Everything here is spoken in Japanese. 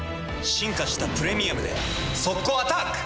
進化した「プレミアム」で速攻アタック！